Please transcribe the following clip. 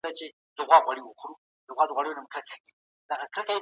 هره ورځ لمر ته قدم وهل ګټور دي.